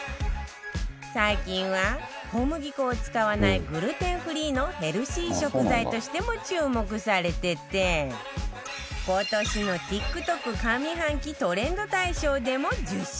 最近は小麦粉を使わないグルテンフリーのヘルシー食材としても注目されてて今年の ＴｉｋＴｏｋ 上半期トレンド大賞でも受賞